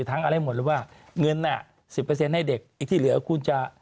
ทั้งอะไรหมดเลยว่าเงินน่ะสิบเปอร์เซ็นต์ให้เด็กอีกที่เหลือคุณจะ